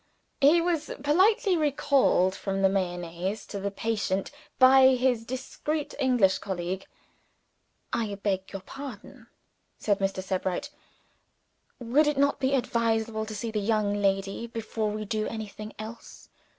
He was politely recalled from the Mayonnaise to the patient by his discreet English colleague. "I beg your pardon," said Mr. Sebright. "Would it not be advisable to see the young lady, before we do anything else?